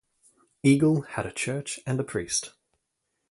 Eagle had a church and a priest.